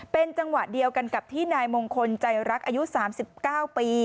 เป็นจังหวะเดียวกันกับที่นายมงคลใจรักอายุ๓๙ปี